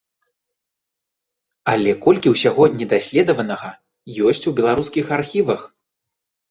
Але колькі ўсяго недаследаванага ёсць у беларускіх архівах!